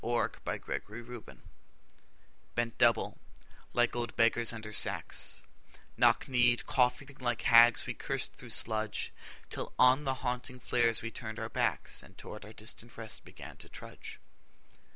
Dulce et Decorum est Bent double, like old beggars under sacks, Knock kneed, coughing like hags, we cursed through sludge, Till on the haunting flares we turned our backs, And towards our distant rest began to trudge.